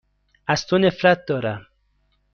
از تو نفرت دارم.